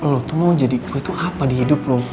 lo tuh mau jadi gue tuh apa di hidup lo